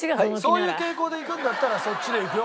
そういう傾向でいくんだったらそっちでいくよ